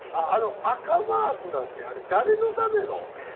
赤マークなんてあれ誰のための？